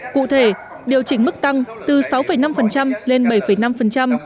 cụ thể điều chỉnh mức tăng từ sáu năm lên bảy năm